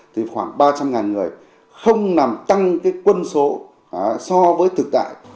thì khoảng ba trăm linh ngàn người không nằm tăng cái quân số so với thực tại